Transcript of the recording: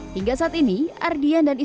hingga saat ini ardian dan istri